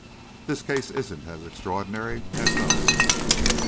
This case isn't as extraordinary as those."